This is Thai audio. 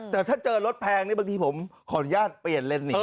แต่ถ้าเจอรถแพงนี่บางทีผมขออนุญาตเปลี่ยนเลนส์นี้